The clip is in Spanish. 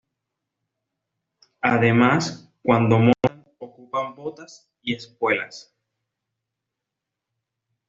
Además cuando montan ocupan botas y espuelas.